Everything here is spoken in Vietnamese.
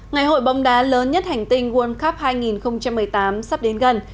ngày hội bóng đá lớn nhất hành tinh world cup hai nghìn một mươi tám sắp đến gần